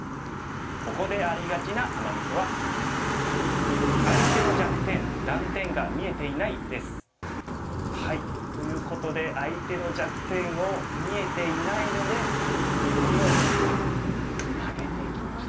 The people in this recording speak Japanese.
ここでありがちなアマ・ミスは。ということで相手の弱点を見えていないのでこのようにマゲていきました。